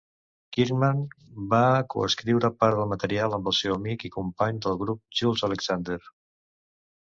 Kirkman va co-escriure part del material amb el seu amic i company del grup Jules Alexander.